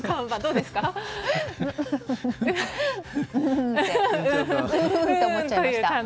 うーんと思っちゃいました。